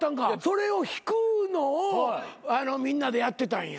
それを引くのをみんなでやってたんや。